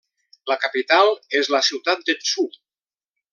La capital és la ciutat de Tsu.